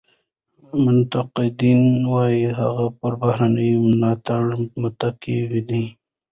منتقدین وایي هغه پر بهرني ملاتړ متکي دی.